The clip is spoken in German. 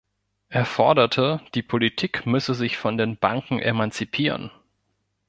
Er forderte, die Politik müsse sich von den Banken emanzipieren.